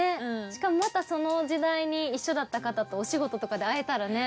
しかもまたその時代に一緒だった方とお仕事とかで会えたらね。